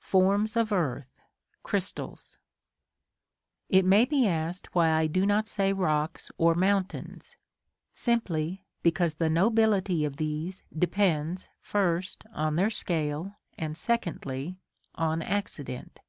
Forms of Earth (Crystals). It may be asked why I do not say rocks or mountains? Simply, because the nobility of these depends, first, on their scale, and, secondly, on accident.